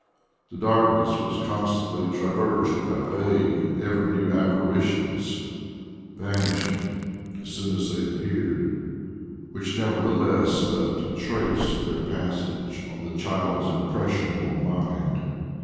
The darkness was constantly traversed by vague and ever new apparitions, vanishing as soon as they appeared, which nevertheless left a trace of their passage on the child's impressionable mind.